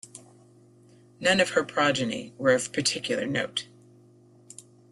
None of her progeny were of particular note.